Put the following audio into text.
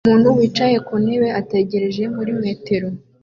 Umuntu wicaye ku ntebe ategereje muri metero